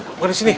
pindah ke sini